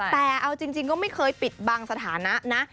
แต่เอาจริงก็ไม่เคยปิดบังสถานะนะ